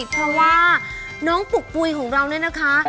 เพราะว่าน้องปุกปุ๋ยของเราเนี่ยนะคะ